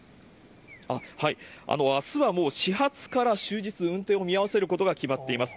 あすはもう始発から終日、運転を見合わせることが決まっています。